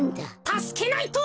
たすけないと！